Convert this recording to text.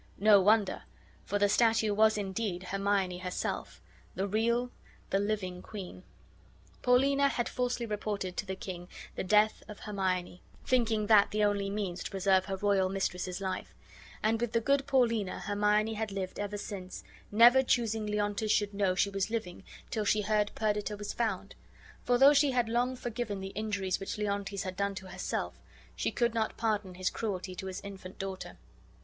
No wonder; for the statue was indeed Hermione herself, the real, the living queen. Paulina had falsely reported to the king the death of Hermione' thinking that the only means to preserve her royal mistress's life; and with the good Paulina Hermione had lived ever since, never choosing Leontes should know she was living till she heard Perdita was found; for though she had long forgiven the injuries which Leontes had done to herself, she could not pardon his cruelty to his infant daughter.